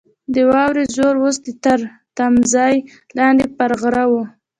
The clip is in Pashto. د واورې زور اوس تر تمځای لاندې پر غره وو.